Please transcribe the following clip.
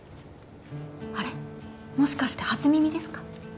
あれもしかして初耳ですか？